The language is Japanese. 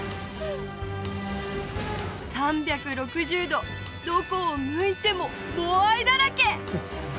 ３６０度どこを向いてもモアイだらけ！